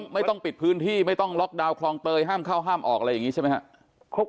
ไม่ต้องปิดพื้นที่ไม่ต้องล็อกดาวนคลองเตยห้ามเข้าห้ามออกอะไรอย่างนี้ใช่ไหมครับ